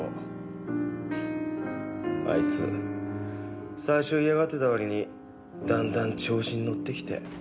あいつ最初嫌がってた割にだんだん調子に乗ってきて。